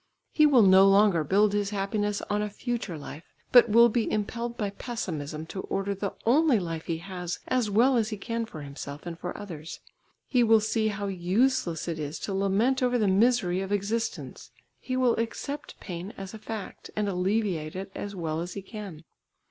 He will no longer build his happiness on a future life, but will be impelled by pessimism to order the only life he has as well as he can for himself and for others. He will see how useless it is to lament over the misery of existence; he will accept pain as a fact, and alleviate it as well as he can.